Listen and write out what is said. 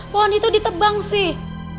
pohon itu ditebang sih